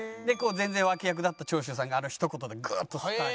全然脇役だった長州さんがあのひと言でグーッとスターに。